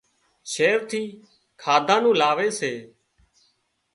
شهر ٿي کاڌا نُون لاوي سي